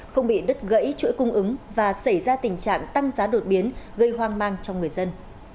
không bị đứt gãy chuỗi cung ứng và xảy ra tình trạng tăng giá đột biến gây hoang mang trong người dân